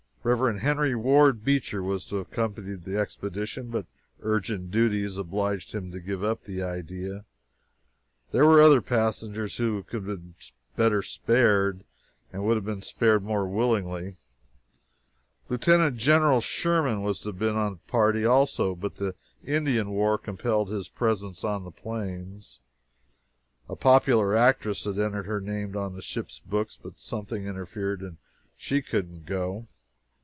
Reverend Henry Ward Beecher was to have accompanied the expedition, but urgent duties obliged him to give up the idea. There were other passengers who could have been spared better and would have been spared more willingly. Lieutenant General Sherman was to have been of the party also, but the Indian war compelled his presence on the plains. A popular actress had entered her name on the ship's books, but something interfered and she couldn't go.